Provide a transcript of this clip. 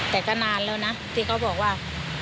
แต่ก็นานแล้วนะที่เขาบอกว่า